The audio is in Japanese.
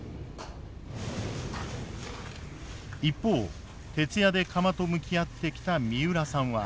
一方徹夜で釜と向き合ってきた三浦さんは。